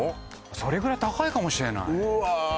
それぐらい高いかもしれないうわ